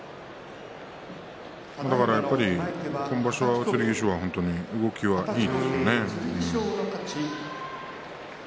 だから今場所の剣翔は動きがいいですね。